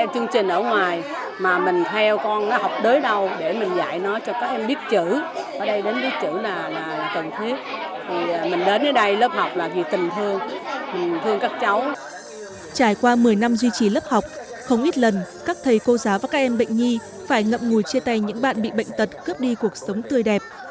trải qua một mươi năm duy trì lớp học không ít lần các thầy cô giáo và các em bệnh nhi phải ngậm ngùi chê tay những bạn bị bệnh tật cướp đi cuộc sống tươi đẹp